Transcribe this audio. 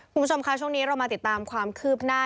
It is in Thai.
คุณผู้ชมค่ะช่วงนี้เรามาติดตามความคืบหน้า